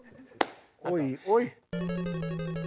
おいおい！